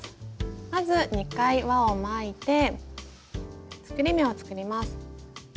まず２回輪を巻いて作り目を作ります。